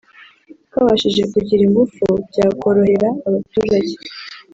kabashije kugira ingufu byakorohera abaturage